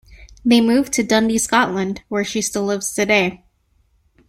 They moved to Dundee, Scotland, where she still lives today.